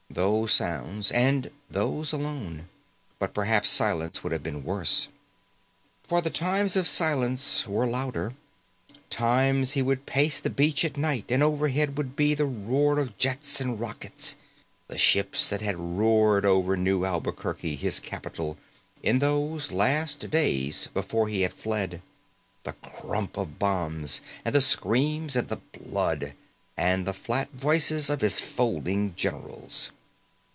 Those sounds, and those alone. But perhaps silence would have been worse. For the times of silence were louder. Times he would pace the beach at night and overhead would be the roar of jets and rockets, the ships that had roared over New Albuquerque, his capitol, in those last days before he had fled. The crump of bombs and the screams and the blood, and the flat voices of his folding generals.